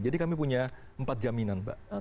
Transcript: jadi kami punya empat jaminan